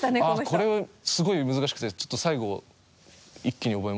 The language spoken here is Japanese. あっこれすごい難しくてちょっと最後一気に覚えましたね。